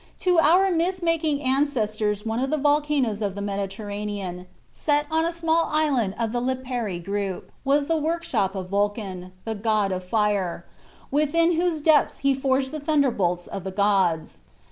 To our myth making ancestors one of the volcanoes of the Mediterranean, set on a small island of the Lipari group, was the workshop of Vulcan, the god of fire, within whose depths he forged the thunderbolts of the gods.